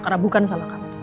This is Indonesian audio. karena bukan sama kamu